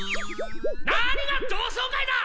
なにが同窓会だ！